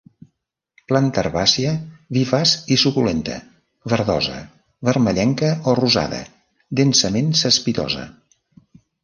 Planta herbàcia vivaç i suculenta, verdosa, vermellenca o rosada, densament cespitosa.